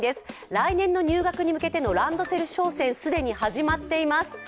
来年の入学に向けてのランドセル商戦、既に始まっています。